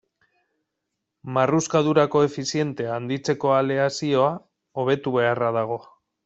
Marruskadura koefizientea handitzeko aleazioa hobetu beharra dago.